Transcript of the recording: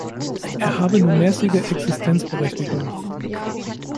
Er habe nur mäßige Existenzberechtigung.